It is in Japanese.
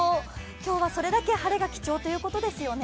今日はそれだけ晴れが貴重ということですよね。